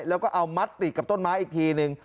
แล้วก็เอามัดติดกับต้นไม้อีกทีนึง